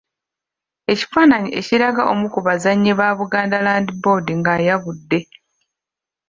Ekifaananyi ekiraga omu ku bazannyi ba Buganda Land Board nga ayabudde.